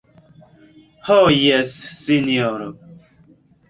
Ho jes, sinjoro.